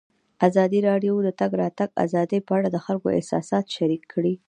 ازادي راډیو د د تګ راتګ ازادي په اړه د خلکو احساسات شریک کړي.